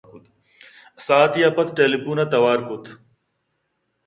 ساعتکے ءَ پد ٹیلی فون ءَ توار کُت